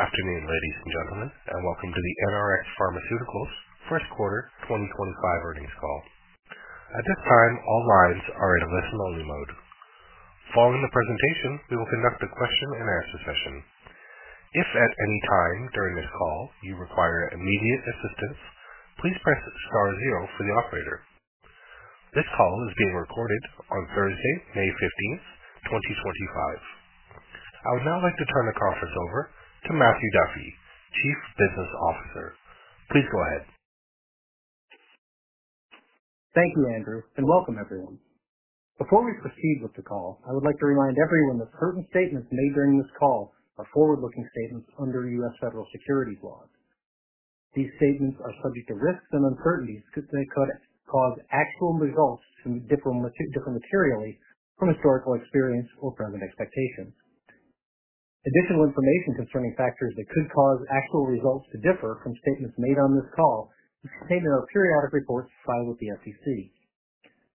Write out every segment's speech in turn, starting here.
Afternoon, ladies and gentlemen, and welcome to the NRx Pharmaceuticals First Quarter 2025 Earnings Call. At this time, all lines are in listen-only mode. Following the presentation, we will conduct a question-and-answer session. If at any time during this call you require immediate assistance, please press star zero for the operator. This call is being recorded on Thursday, May 15th, 2025. I would now like to turn the conference over to Matthew Duffy, Chief Business Officer. Please go ahead. Thank you, Andrew, and welcome, everyone. Before we proceed with the call, I would like to remind everyone that certain statements made during this call are forward-looking statements under U.S. federal securities laws. These statements are subject to risks and uncertainties that could cause actual results to differ materially from historical experience or present expectations. Additional information concerning factors that could cause actual results to differ from statements made on this call is contained in our periodic reports filed with the SEC.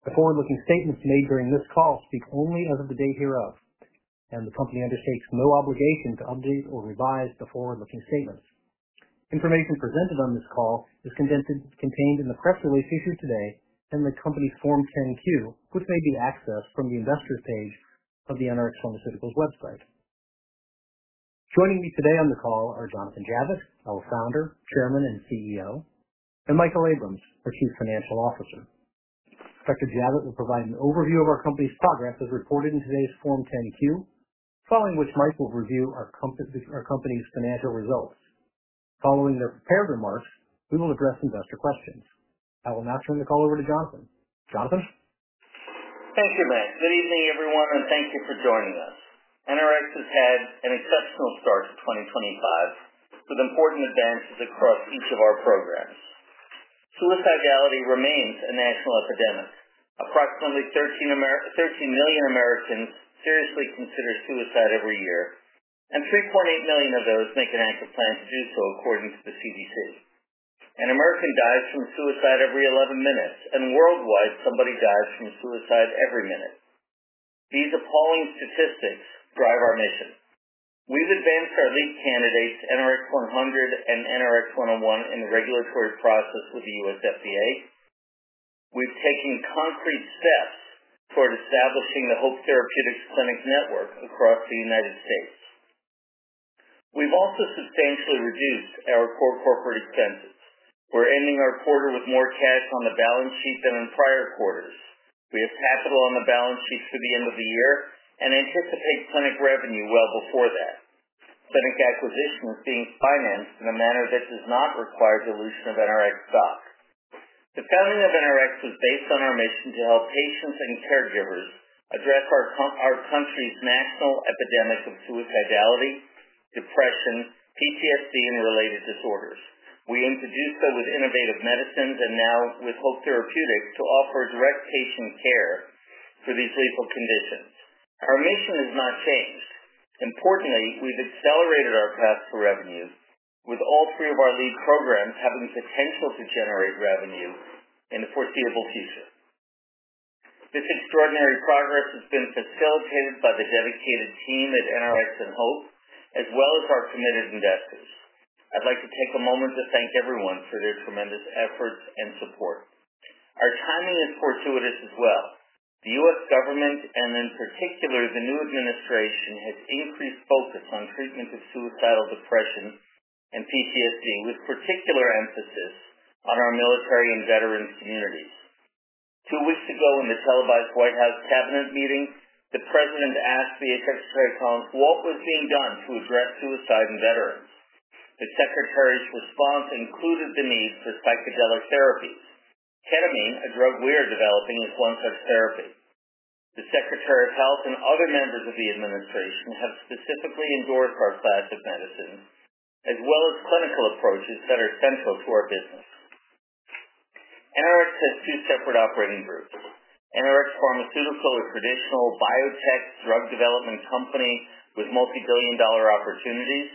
The forward-looking statements made during this call speak only as of the date hereof, and the company undertakes no obligation to update or revise the forward-looking statements. Information presented on this call is contained in the press release issued today and the company's Form 10-Q, which may be accessed from the investors' page of the NRx Pharmaceuticals website. Joining me today on the call are Jonathan Javitt, our founder, Chairman, and CEO, and Michael Abrams, our Chief Financial Officer. Dr. Javitt will provide an overview of our company's progress as reported in today's Form 10-Q, following which Mike will review our company's financial results. Following their prepared remarks, we will address investor questions. I will now turn the call over to Jonathan. Jonathan? Thank you, Matt. Good evening, everyone, and thank you for joining us. NRx has had an exceptional start to 2025 with important advances across each of our programs. Suicidality remains a national epidemic. Approximately 13 million Americans seriously consider suicide every year, and 3.8 million of those make an active plan to do so according to the CDC. An American dies from suicide every 11 minutes, and worldwide, somebody dies from suicide every minute. These appalling statistics drive our mission. We've advanced our lead candidates, NRx-100 and NRx-101, in the regulatory process with the U.S. FDA. We've taken concrete steps toward establishing HOPE Therapeutics clinic network across the U.S. We've also substantially reduced our core corporate expenses. We're ending our quarter with more cash on the balance sheet than in prior quarters. We have capital on the balance sheet for the end of the year and anticipate clinic revenue well before that. Clinic acquisition is being financed in a manner that does not require dilution of NRx stock. The founding of NRx was based on our mission to help patients and caregivers address our country's national epidemic of suicidality, depression, PTSD, and related disorders. We aim to do so with innovative medicines and now HOPE Therapeutics to offer direct patient care for these lethal conditions. Our mission has not changed. Importantly, we've accelerated our path to revenue, with all three of our lead programs having potential to generate revenue in the foreseeable future. This extraordinary progress has been facilitated by the dedicated team at NRx and Hope, as well as our committed investors. I'd like to take a moment to thank everyone for their tremendous efforts and support. Our timing is fortuitous as well. The U.S. government, and in particular the new administration, has increased focus on treatment of suicidal depression and PTSD, with particular emphasis on our military and veterans' communities. Two weeks ago, in the televised White House cabinet meeting, the president asked the Secretary of Commerce, "What was being done to address suicide in veterans?" The secretary's response included the need for psychedelic therapies. Ketamine, a drug we are developing, is one such therapy. The Secretary of Health and other members of the administration have specifically endorsed our class of medicines, as well as clinical approaches that are central to our business. NRx has two separate operating groups: NRx Pharmaceuticals, a traditional biotech drug development company with multi-billion dollar opportunities,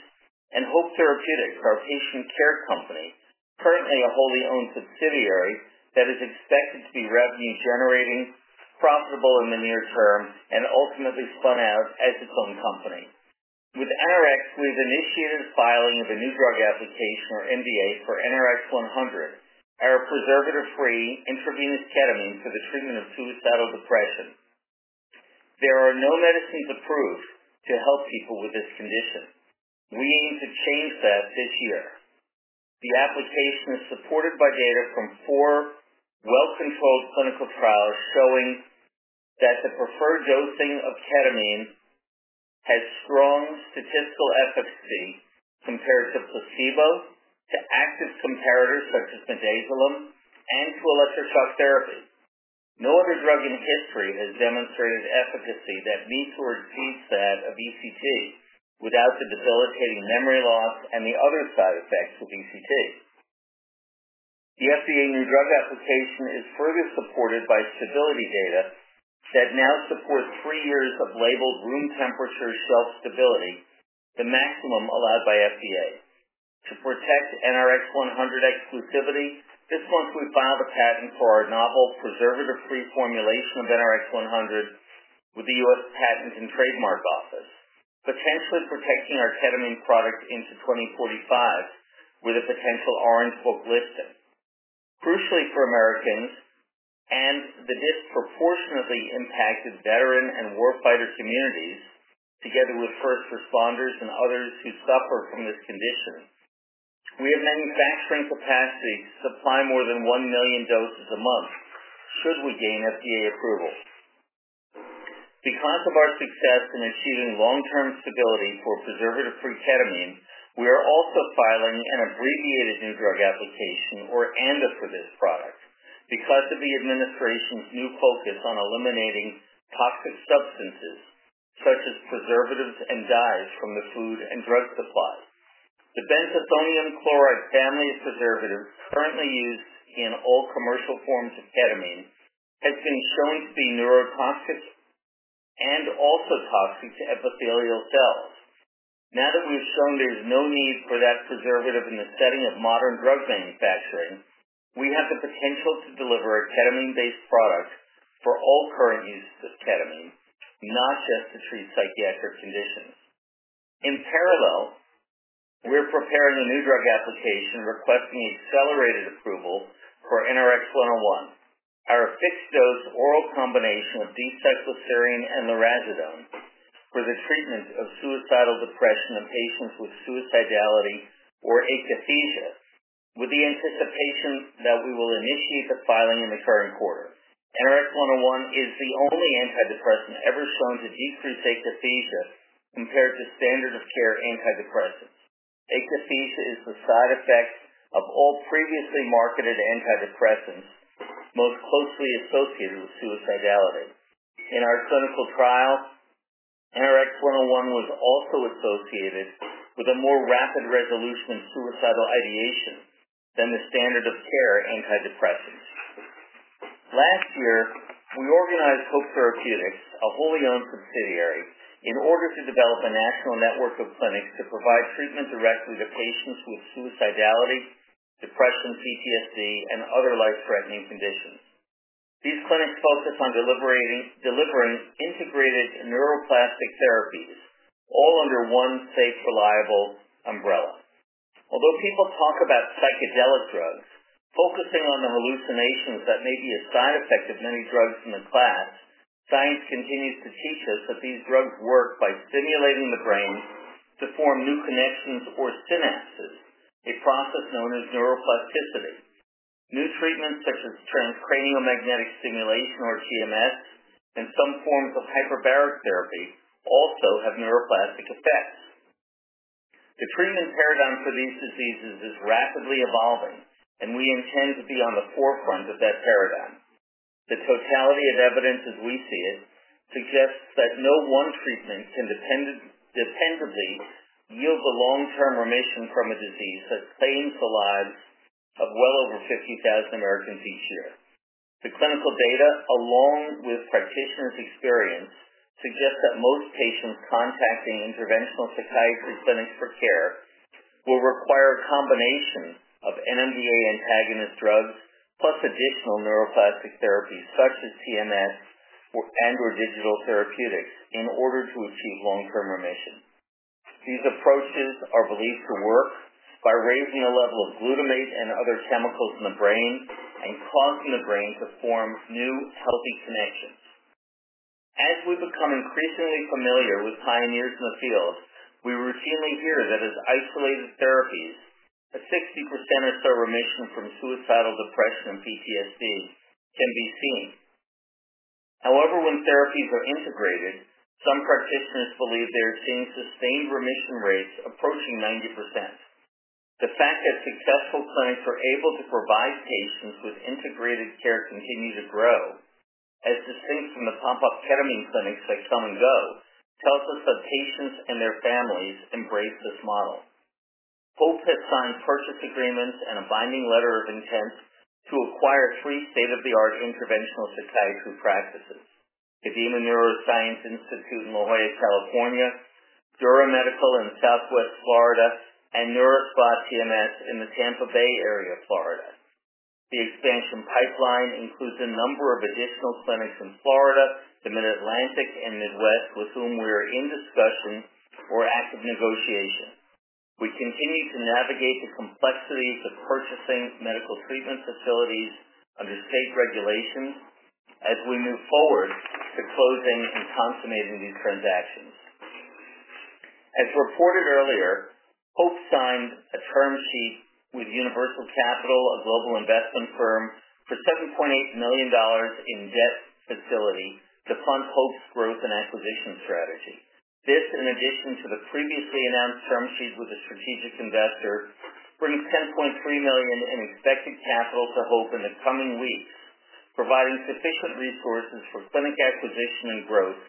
HOPE Therapeutics, our patient care company, currently a wholly owned subsidiary that is expected to be revenue-generating, profitable in the near term, and ultimately spun out as its own company. With NRx, we've initiated filing of a new drug application, or NDA, for NRx-100, our preservative-free intravenous ketamine for the treatment of suicidal depression. There are no medicines approved to help people with this condition. We aim to change that this year. The application is supported by data from four well-controlled clinical trials showing that the preferred dosing of ketamine has strong statistical efficacy compared to placebo, to active comparators such as midazolam, and to electroconvulsive therapy. No other drug in history has demonstrated efficacy that meets or exceeds that of ECT without the debilitating memory loss and the other side effects of ECT. The FDA new drug application is further supported by stability data that now supports three years of labeled room temperature shelf stability, the maximum allowed by FDA. To protect NRx-100 exclusivity, this month we filed a patent for our novel preservative-free formulation of NRx-100 with the U.S. Patent and Trademark Office, potentially protecting our ketamine product into 2045 with a potential Orange Book listing. Crucially for American and the disproportionately impacted veteran and warfighter communities, together with first responders and others who suffer from this condition, we have manufacturing capacity to supply more than one million doses a month should we gain FDA approval. Because of our success in achieving long-term stability for preservative-free ketamine, we are also filing an Abbreviated New Drug Application, or ANDA, for this product because of the administration's new focus on eliminating toxic substances such as preservatives and dyes from the food and drug supply. The benzethonium chloride family of preservatives currently used in all commercial forms of ketamine has been shown to be neurotoxic and also toxic to epithelial cells. Now that we've shown there is no need for that preservative in the setting of modern drug manufacturing, we have the potential to deliver a ketamine-based product for all current uses of ketamine, not just to treat psychiatric conditions. In parallel, we're preparing a New Drug Application requesting accelerated approval for NRX-101, our fixed-dose oral combination of D-cycloserine and lurasidone for the treatment of suicidal depression in patients with suicidality or akathisia, with the anticipation that we will initiate the filing in the current quarter. NRX-101 is the only antidepressant ever shown to decrease akathisia compared to standard-of-care antidepressants. Akathisia is the side effect of all previously marketed antidepressants most closely associated with suicidality. In our clinical trial, NRX-101 was also associated with a more rapid resolution of suicidal ideation than the standard-of-care antidepressants. Last year, we HOPE Therapeutics, a wholly owned subsidiary, in order to develop a national network of clinics to provide treatment directly to patients with suicidality, depression, PTSD, and other life-threatening conditions. These clinics focus on delivering integrated neuroplastic therapies, all under one safe, reliable umbrella. Although people talk about psychedelic drugs focusing on the hallucinations that may be a side effect of many drugs in the class, science continues to teach us that these drugs work by stimulating the brain to form new connections or synapses, a process known as neuroplasticity. New treatments such as transcranial magnetic stimulation, or TMS, and some forms of hyperbaric therapy also have neuroplastic effects. The treatment paradigm for these diseases is rapidly evolving, and we intend to be on the forefront of that paradigm. The totality of evidence, as we see it, suggests that no one treatment can dependably yield the long-term remission from a disease that claims the lives of well over 50,000 Americans each year. The clinical data, along with practitioners' experience, suggests that most patients contacting interventional psychiatry clinics for care will require a combination ofNMDA antagonist drugs plus additional neuroplastic therapies such as TMS or [ANDA] digital therapeutics in order to achieve long-term remission. These approaches are believed to work by raising the level of glutamate and other chemicals in the brain and causing the brain to form new healthy connections. As we become increasingly familiar with pioneers in the field, we routinely hear that as isolated therapies, a 60% or so remission from suicidal depression and PTSD can be seen. However, when therapies are integrated, some practitioners believe they are seeing sustained remission rates approaching 90%. The fact that successful clinics are able to provide patients with integrated care continues to grow, as distinct from the pop-up ketamine clinics that come and go, tells us that patients and their families embrace this model. Hope has signed purchase agreements and a binding letter of intent to acquire three state-of-the-art interventional psychiatry practices: Kadima Neuropsychiatry Institute in La Jolla, California, Dura Medical in Southwest Florida, and NeuroStar TMS in the Tampa Bay area of Florida. The expansion pipeline includes a number of additional clinics in Florida, the Mid-Atlantic, and Midwest, with whom we are in discussion or active negotiation. We continue to navigate the complexities of purchasing medical treatment facilities under state regulations as we move forward to closing and consummating these transactions. As reported earlier, Hope signed a term sheet with Universal Capital, a global investment firm, for $7.8 million in debt facility to fund Hope's growth and acquisition strategy. This, in addition to the previously announced term sheet with a strategic investor, brings $10.3 million in expected capital to Hope in the coming weeks, providing sufficient resources for clinic acquisition and growth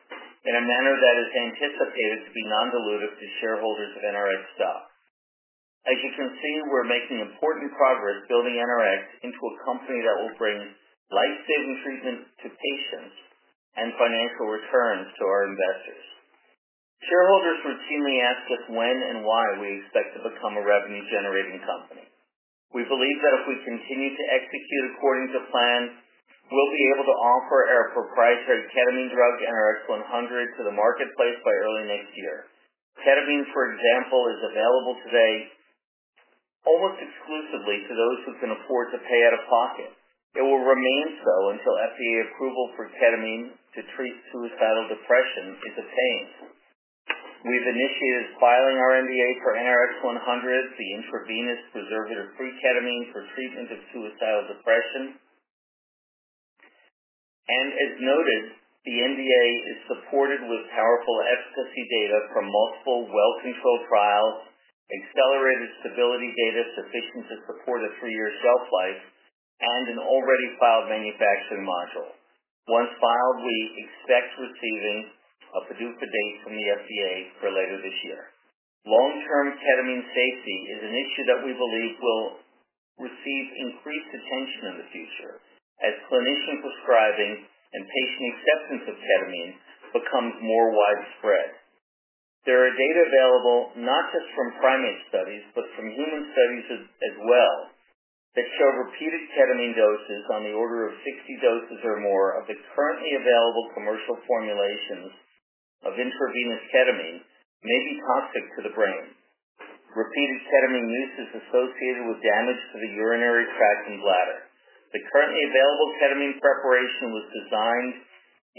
in a manner that is anticipated to be non-dilutive to shareholders of NRx stock. As you can see, we're making important progress building NRx into a company that will bring lifesaving treatment to patients and financial returns to our investors. Shareholders routinely ask us when and why we expect to become a revenue-generating company. We believe that if we continue to execute according to plan, we'll be able to offer our proprietary ketamine drug, NRx-100, to the marketplace by early next year. Ketamine, for example, is available today almost exclusively to those who can afford to pay out of pocket. It will remain so until FDA approval for ketamine to treat suicidal depression is obtained. We have initiated filing our NDA for NRx-100, the intravenous preservative-free ketamine for treatment of suicidal depression. As noted, the NDA is supported with powerful efficacy data from multiple well-controlled trials, accelerated stability data sufficient to support a three-year shelf life, and an already filed manufacturing module. Once filed, we expect receiving a PDUFA date from the FDA for later this year. Long-term ketamine safety is an issue that we believe will receive increased attention in the future as clinician prescribing and patient acceptance of ketamine becomes more widespread. There are data available not just from primate studies but from human studies as well that show repeated ketamine doses on the order of 60 doses or more of the currently available commercial formulations of intravenous ketamine may be toxic to the brain. Repeated ketamine use is associated with damage to the urinary tract and bladder. The currently available ketamine preparation was designed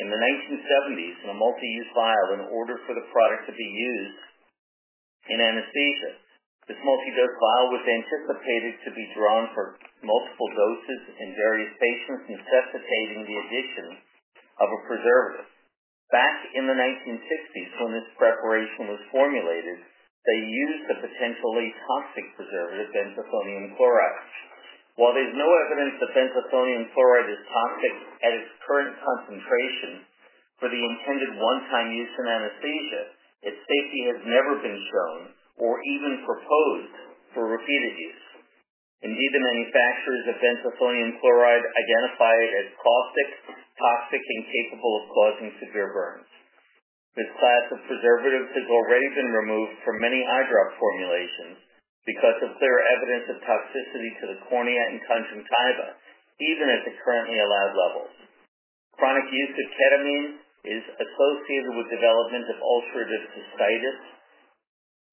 in the 1970s in a multi-use vial in order for the product to be used in anesthesia. This multi-dose vial was anticipated to be drawn for multiple doses in various patients, necessitating the addition of a preservative. Back in the 1950s, when this preparation was formulated, they used a potentially toxic preservative, benzethonium chloride. While there's no evidence that benzethonium chloride is toxic at its current concentration for the intended one-time use in anesthesia, its safety has never been shown or even proposed for repeated use. Indeed, the manufacturers of benzethonium chloride identify it as caustic, toxic, and capable of causing severe burns. This class of preservatives has already been removed from many eye drop formulations because of clear evidence of toxicity to the cornea and conjunctiva, even at the currently allowed levels. Chronic use of ketamine is associated with development of ulcerative cystitis,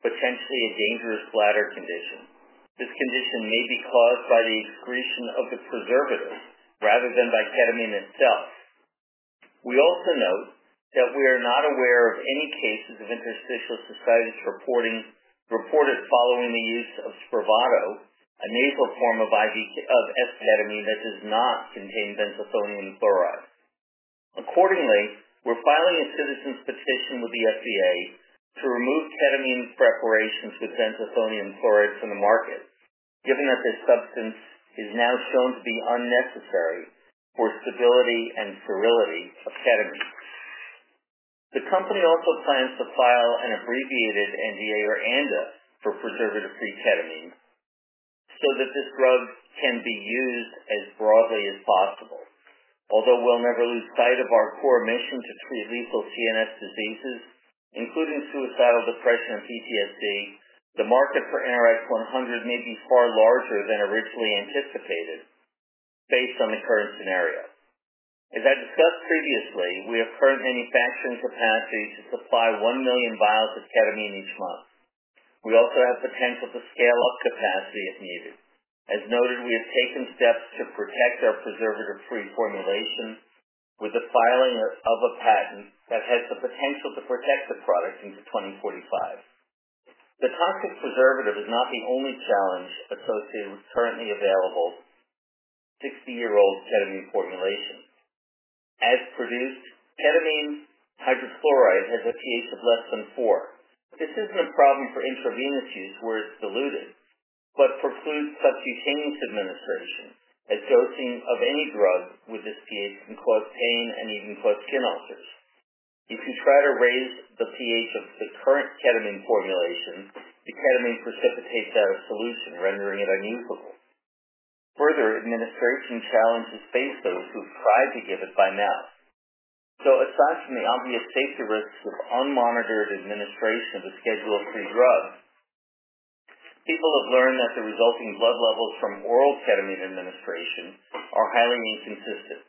potentially a dangerous bladder condition. This condition may be caused by the excretion of the preservative rather than by ketamine itself. We also note that we are not aware of any cases of interstitial cystitis reported following the use of Spravato, a nasal form of esketamine that does not contain benzethonium chloride. Accordingly, we're filing a citizens' petition with the FDA to remove ketamine preparations with benzethonium chloride from the market, given that this substance is now shown to be unnecessary for stability and sterility of ketamine. The company also plans to file an abbreviated NDA, or ANDA, for preservative-free ketamine so that this drug can be used as broadly as possible. Although we'll never lose sight of our core mission to treat lethal CNS [diseases], including suicidal depression and PTSD, the market for NRx-100 may be far larger than originally anticipated based on the current scenario. As I discussed previously, we have current manufacturing capacity to supply one million vials of ketamine each month. We also have potential to scale up capacity if needed. As noted, we have taken steps to protect our preservative-free formulation with the filing of a patent that has the potential to protect the product into 2045. The toxic preservative is not the only challenge associated with currently available 60-year-old ketamine formulation. As produced, ketamine hydrochloride has a pH of less than 4. This isn't a problem for intravenous use where it's diluted, but precludes subcutaneous administration as dosing of any drug with this pH can cause pain and even cause skin ulcers. If you try to raise the pH of the current ketamine formulation, the ketamine precipitates out of solution, rendering it unusable. Further, administration challenges face those who have tried to give it by mouth. So aside from the obvious safety risks of unmonitored administration of a schedule-free drug, people have learned that the resulting blood levels from oral ketamine administration are highly inconsistent.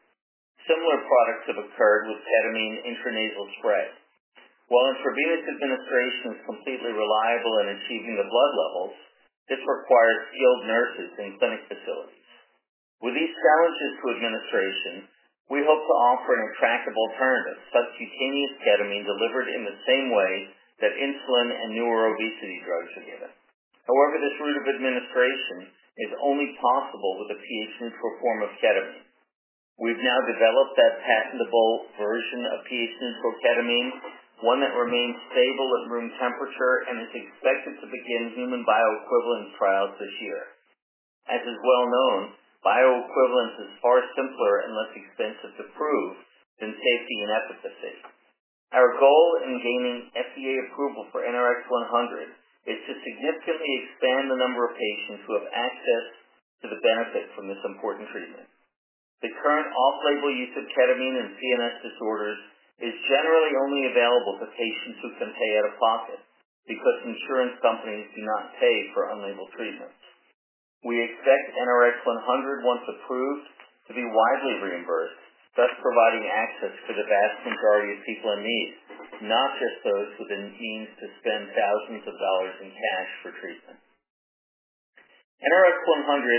Similar problems have occurred with ketamine intranasal spray. While intravenous administration is completely reliable in achieving the blood levels, this requires skilled nurses in clinic facilities. With these challenges to administration, we hope to offer an attractive alternative: subcutaneous ketamine delivered in the same way that insulin and newer obesity drugs are given. However, this route of administration is only possible with a pH-neutral form of ketamine. We've now developed that patentable version of pH-neutral ketamine, one that remains stable at room temperature and is expected to begin human bioequivalence trials this year. As is well known, bioequivalence is far simpler and less expensive to prove than safety and efficacy. Our goal in gaining FDA approval for NRx-100 is to significantly expand the number of patients who have access to the benefit from this important treatment. The current off-label use of ketamine in CNS disorders is generally only available to patients who can pay out of pocket because insurance companies do not pay for unlabeled treatments. We expect NRx-100, once approved, to be widely reimbursed, thus providing access for the vast majority of people in need, not just those within means to spend thousands of dollars in cash for treatment. NRx-100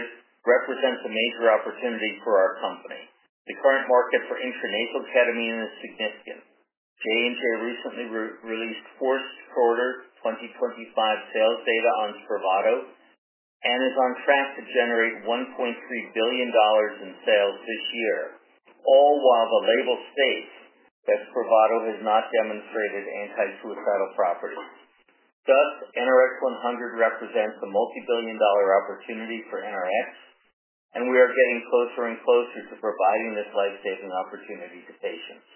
represents a major opportunity for our company. The current market for intranasal ketamine is significant. [J&J] recently released [first-quarter] 2025 sales data on Spravato and is on track to generate $1.3 billion in sales this year, all while the label states that Spravato has not demonstrated anti-suicidal properties. Thus, NRx-100 represents a multi-billion dollar opportunity for NRx, and we are getting closer and closer to providing this lifesaving opportunity to patients.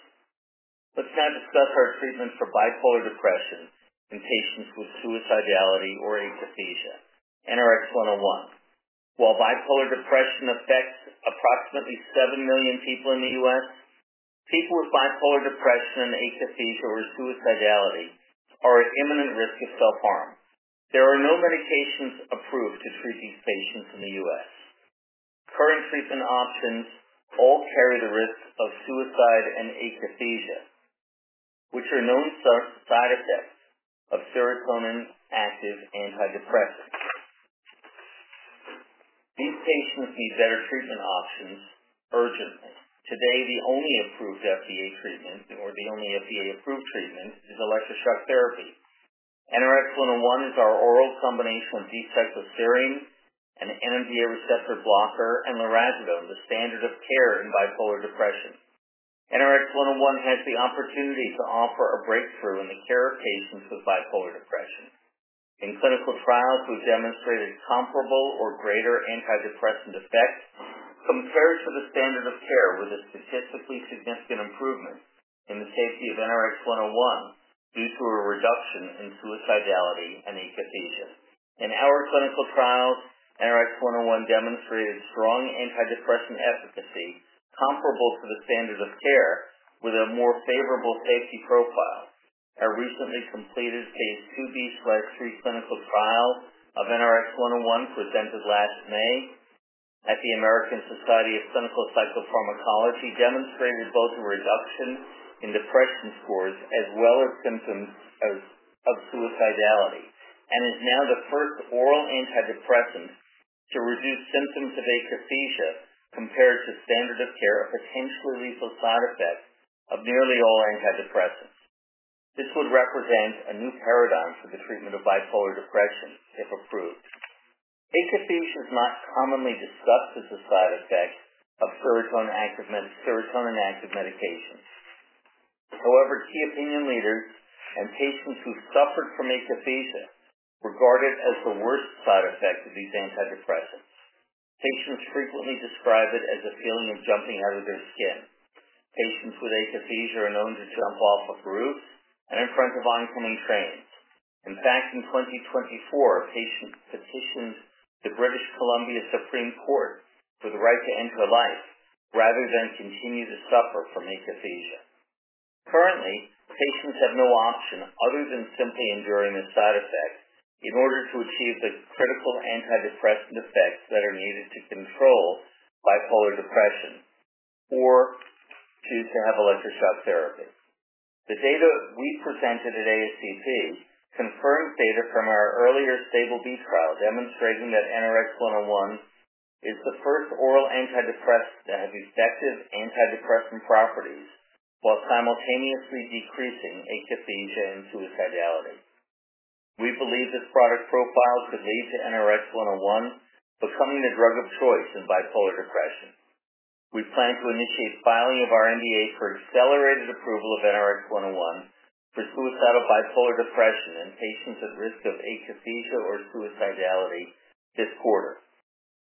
Let's now discuss our treatment for bipolar depression in patients with suicidality or akathisia, NRx-101. While bipolar depression affects approximately 7 million people in the U.S., people with bipolar depression, akathisia, or suicidality are at imminent risk of self-harm. There are no medications approved to treat these patients in the U.S. Current treatment options all carry the risk of suicide and akathisia, which are known side effects of serotonin-active antidepressants. These patients need better treatment options urgently. Today, the only FDA-approved treatment is electroshock therapy. NRx-101 is our oral combination of D-cycloserine, an NMDA receptor blocker, and lurasidone, the standard of care in bipolar depression. NRx-101 has the opportunity to offer a breakthrough in the care of patients with bipolar depression. In clinical trials we have demonstrated comparable or greater antidepressant effect compared to the standard of care with a statistically significant improvement in the safety of NRx-101 due to a reduction in suicidality and akathisia. In our clinical trials, NRx-101 demonstrated strong antidepressant efficacy comparable to the standard of care with a more favorable safety profile. A recently completed phase 2B/3 clinical trial of NRx-101 presented last May at the American Society of Clinical Psychopharmacology demonstrated both a reduction in depression scores as well as symptoms of suicidality and is now the first oral antidepressant to reduce symptoms of akathisia compared to standard of care of potentially lethal side effects of nearly all antidepressants. This would represent a new paradigm for the treatment of bipolar depression if approved. Akathisia is not commonly discussed as a side effect of serotonin-active medications. However, key opinion leaders and patients who suffered from akathisia regard it as the worst side effect of these antidepressants. Patients frequently describe it as a feeling of jumping out of their skin. Patients with akathisia are known to jump off of roofs and in front of oncoming trains. In fact, in 2024, a patient petitioned the British Columbia Supreme Court for the right to end her life rather than continue to suffer from akathisia. Currently, patients have no option other than simply enduring the side effect in order to achieve the critical antidepressant effects that are needed to control bipolar depression or choose to have electroshock therapy. The data we presented at ASCP confirms data from our earlier STABLE trial demonstrating that NRx-101 is the first oral antidepressant to have effective antidepressant properties while simultaneously decreasing akathisia and suicidality. We believe this product profile could lead to NRx-101 becoming the drug of choice in bipolar depression. We plan to initiate filing of our NDA for accelerated approval of NRx-101 for suicidal bipolar depression in patients at risk of akathisia or suicidality this quarter.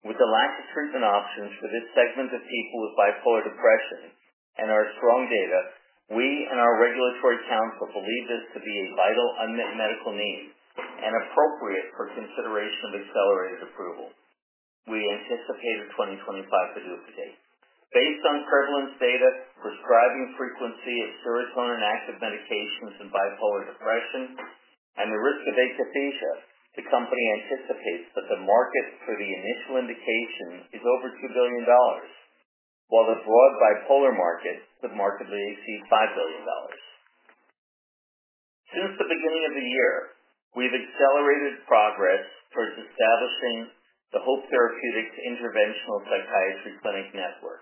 With the lack of treatment options for this segment of people with bipolar depression and our strong data, we and our regulatory counsel believe this to be a vital unmet medical need and appropriate for consideration of accelerated approval. We anticipate a 2025 PDUFA date. Based on prevalence data, prescribing frequency of serotonin-active medications in bipolar depression, and the risk of akathisia, the company anticipates that the market for the initial indication is over $2 billion, while the broad bipolar market could markedly exceed $5 billion. Since the beginning of the year, we've accelerated progress towards establishing HOPE Therapeutics interventional Psychiatry Clinic Network.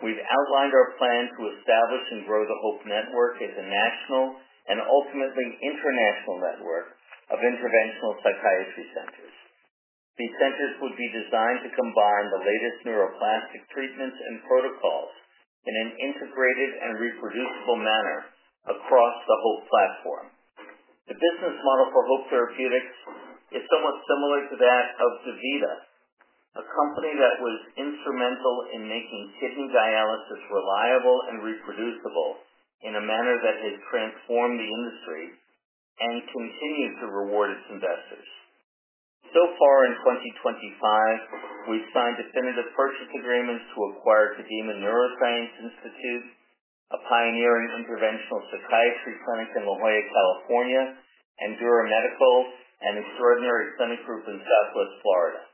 We've outlined our plan to establish and grow the Hope Network as a national and ultimately international network of interventional psychiatry centers. These centers would be designed to combine the latest neuroplastic treatments and protocols in an integrated and reproducible manner across the Hope platform. The business model HOPE Therapeutics is somewhat similar to that of DaVita, a company that was instrumental in making kidney dialysis reliable and reproducible in a manner that has transformed the industry and continues to reward its investors. So far in 2025, we've signed definitive purchase agreements to acquire Kadima Neuropsychiatry Institute, a pioneering interventional psychiatry clinic in La Jolla, California, and Dura Medical, an extraordinary clinic group in Southwest Florida.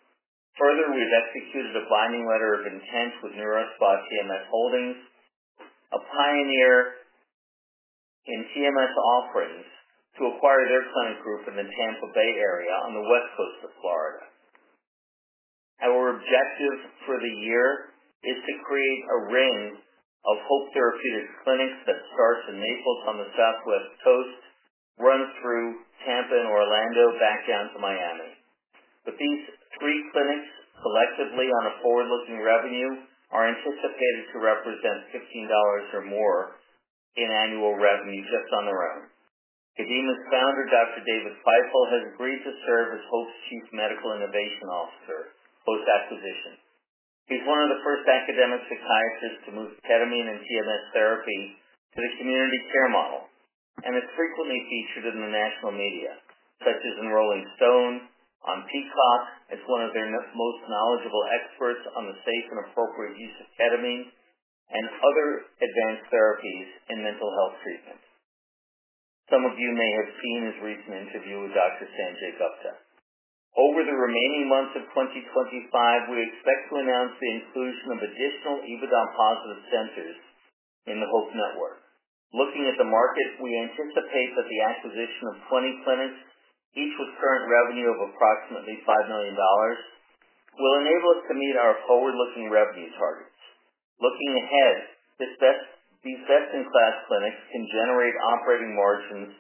Further, we've executed a binding letter of intent with NeuroStar TMS Holdings, a pioneer in TMS offerings, to acquire their clinic group in the Tampa Bay area on the West Coast of Florida. Our objective for the year is to create a ring HOPE Therapeutics clinics that starts in Naples on the Southwest Coast, runs through Tampa and Orlando, back down to Miami. With these three clinics collectively on a forward-looking revenue, we are anticipated to represent $15 million or more in annual revenue just on their own. Kadima's Founder, Dr. David Feifel, has agreed to serve as Hope's Chief Medical Innovation Officer post-acquisition. He's one of the first academic psychiatrists to move ketamine and TMS therapy to the community care model and is frequently featured in the national media, such as in Rolling Stone, on Peacock as one of their most knowledgeable experts on the safe and appropriate use of ketamine and other advanced therapies in mental health treatment. Some of you may have seen his recent interview with Dr. Sanjay Gupta. Over the remaining months of 2025, we expect to announce the inclusion of additional EBITDA-positive centers in the Hope Network. Looking at the market, we anticipate that the acquisition of 20 clinics, each with current revenue of approximately $5 million, will enable us to meet our forward-looking revenue targets. Looking ahead, these best-in-class clinics can generate operating margins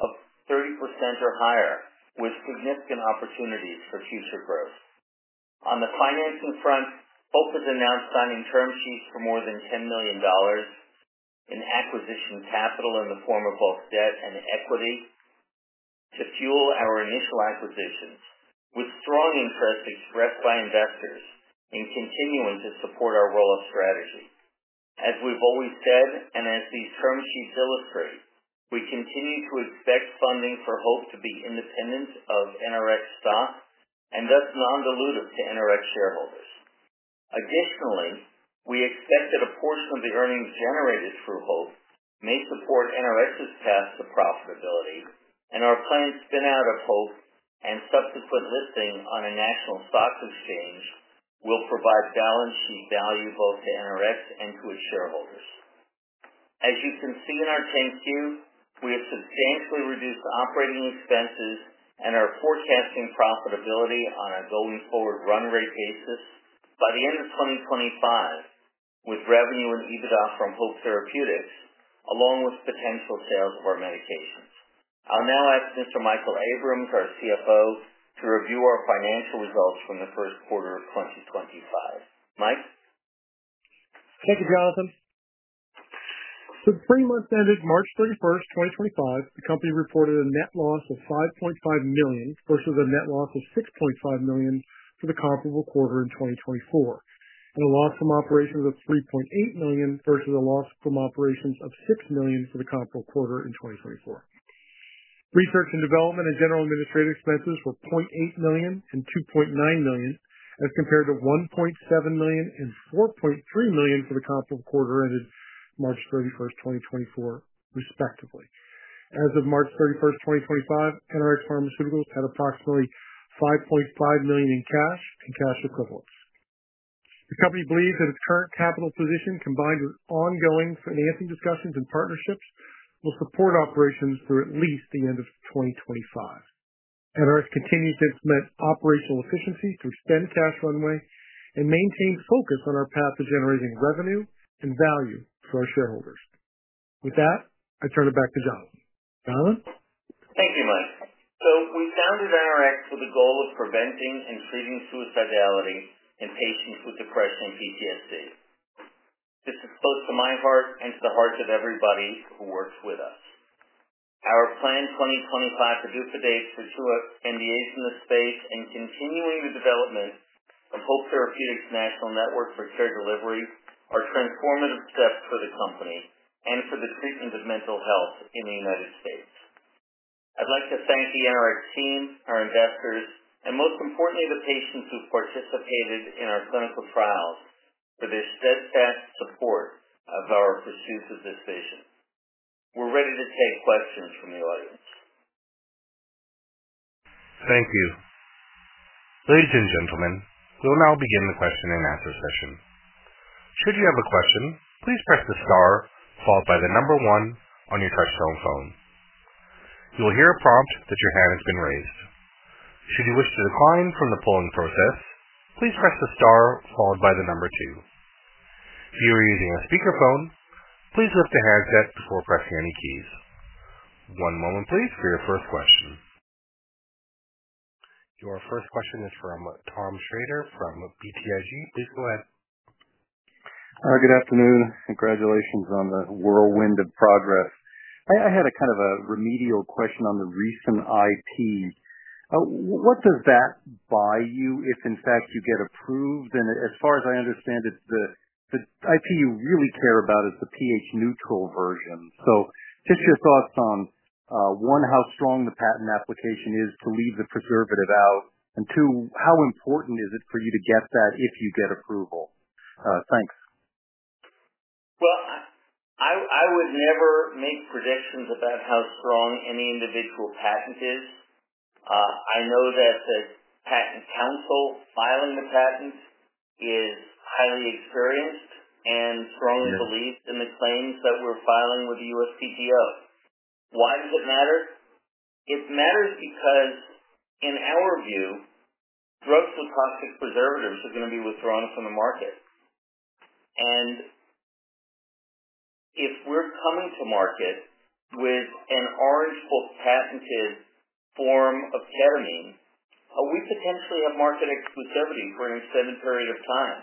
of 30% or higher, with significant opportunities for future growth. On the financing front, Hope has announced signing term sheets for more than $10 million in acquisition capital in the form of both debt and equity to fuel our initial acquisitions, with strong interest expressed by investors in continuing to support our roll-up strategy. As we've always said and as these term sheets illustrate, we continue to expect funding for Hope to be independent of NRx stock and thus non-dilutive to NRx shareholders. Additionally, we expect that a portion of the earnings generated through HOPE may support NRx's path to profitability, and our planned spin-out of HOPE and subsequent listing on a national stock exchange will provide balance sheet value both to NRx and to its shareholders. As you can see in our Form 10-Q, we have substantially reduced operating expenses and are forecasting profitability on a going-forward run rate basis by the end of 2025 with revenue and EBITDA HOPE Therapeutics, along with potential sales of our medications. I'll now ask Mr. Michael Abrams, our CFO, to review our financial results from the first quarter of 2025. Mike? Thank you, Jonathan. The three-month ended March 31, 2025. The company reported a net loss of $5.5 million versus a net loss of $6.5 million for the comparable quarter in 2024, and a loss from operations of $3.8 million versus a loss from operations of $6 million for the comparable quarter in 2024. Research and development and general administrative expenses were $0.8 million and $2.9 million as compared to $1.7 million and $4.3 million for the comparable quarter ended March 31st, 2024, respectively. As of March 31st, 2025, NRx Pharmaceuticals had approximately $5.5 million in cash and cash equivalents. The company believes that its current capital position, combined with ongoing financing discussions and partnerships, will support operations through at least the end of 2025. NRx continues to implement operational efficiencies to extend cash runway and maintain focus on our path to generating revenue and value for our shareholders. With that, I turn it back to Jonathan. Jonathan? Thank you, Mike. We founded NRx with the goal of preventing and treating suicidality in patients with depression and PTSD. This is close to my heart and to the hearts of everybody who works with us. Our planned 2025 PDUFA dates for two NDAs in this space and continuing the development HOPE Therapeutics national network for care delivery are transformative steps for the company and for the treatment of mental health in the U.S.. I'd like to thank the NRx team, our investors, and most importantly, the patients who've participated in our clinical trials for their steadfast support of our pursuit of this vision. We're ready to take questions from the audience. Thank you. Ladies and gentlemen, we'll now begin the question and answer session. Should you have a question, please press the star followed by the number one on your touchstone phone. You will hear a prompt that your hand has been raised. Should you wish to decline from the polling process, please press the star followed by the number two. If you are using a speakerphone, please lift the handset before pressing any keys. One moment, please, for your first question. Your first question is from Tom Shrader from BTIG. Please go ahead. Good afternoon. Congratulations on the whirlwind of progress. I had a kind of a remedial question on the recent IP. What does that buy you if, in fact, you get approved? As far as I understand it, the IP you really care about is the pH-neutral version. Just your thoughts on, one, how strong the patent application is to leave the preservative out, and two, how important is it for you to get that if you get approval? Thanks. I would never make predictions about how strong any individual patent is. I know that the patent counsel filing the patent is highly experienced and strongly believes in the claims that we're filing with the USPTO. Why does it matter? It matters because, in our view, drugs with toxic preservatives are going to be withdrawn from the market. If we're coming to market with an Orange Book patented form of ketamine, we potentially have market exclusivity for an extended period of time.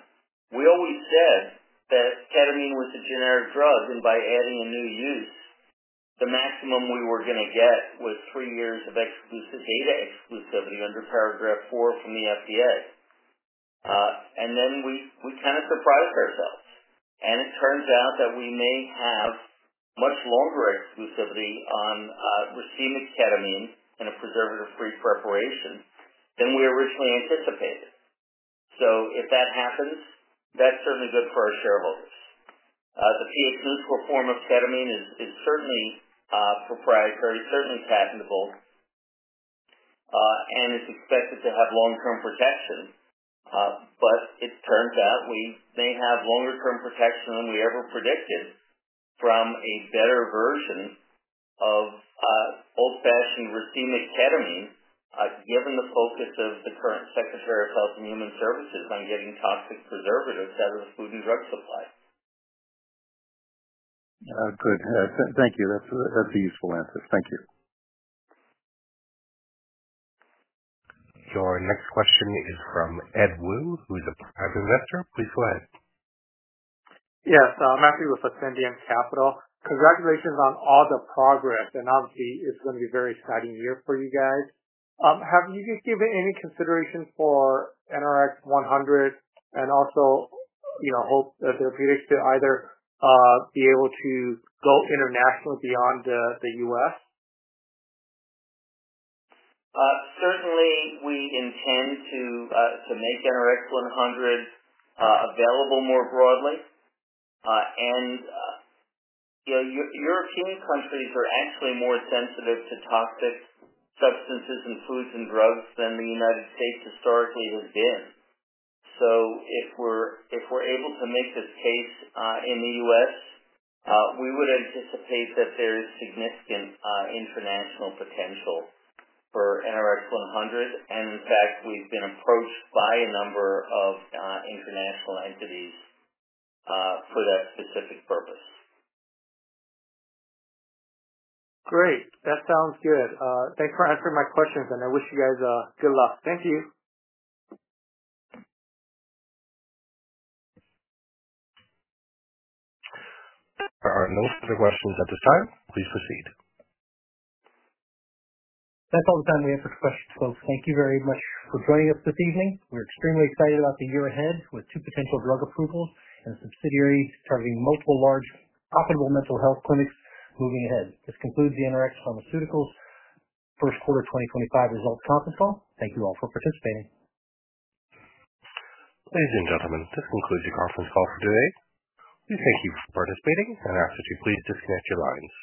We always said that ketamine was a generic drug, and by adding a new use, the maximum we were going to get was three years of data exclusivity under paragraph four from the FDA. We kind of surprised ourselves. It turns out that we may have much longer exclusivity on racemic ketamine in a preservative-free preparation than we originally anticipated. If that happens, that's certainly good for our shareholders. The pH-neutral form of ketamine is certainly proprietary, certainly patentable, and it's expected to have long-term protection. It turns out we may have longer-term protection than we ever predicted from a better version of old-fashioned racemic ketamine, given the focus of the current Secretary of Health and Human Services on getting toxic preservatives out of the food and drug supply. Good. Thank you. That's a useful answer. Thank you. Your next question is from Ed Woo, who's a private investor. Please go ahead. Yes. Matthew with Ascendiant Capital. Congratulations on all the progress. Obviously, it's going to be a very exciting year for you guys. Have you given any consideration for NRx-100 and HOPE Therapeutics to either be able to go internationally beyond the U.S.? Certainly, we intend to make NRx-100 available more broadly. European countries are actually more sensitive to toxic substances in foods and drugs than the United States historically has been. If we're able to make this case in the U.S., we would anticipate that there is significant international potential for NRx-100. In fact, we've been approached by a number of international entities for that specific purpose. Great. That sounds good. Thanks for answering my questions. I wish you guys good luck. Thank you. There are no further questions at this time. Please proceed. That's all the time we have for questions, folks. Thank you very much for joining us this evening. We're extremely excited about the year ahead with two potential drug approvals and a subsidiary targeting multiple large profitable mental health clinics moving ahead. This concludes the NRx Pharmaceuticals First Quarter 2025 Results Conference Call. Thank you all for participating. Ladies and gentlemen, this concludes the conference call for today. We thank you for participating and ask that you please disconnect your lines.